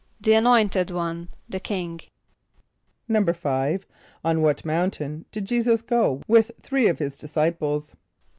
=The Anointed One, the King.= =5.= On what mountain did J[=e]´[s+]us go with three of his disciples?